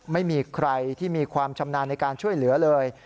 ไม่มีใครที่มีความชำนาญในการช่วยเหลือเลย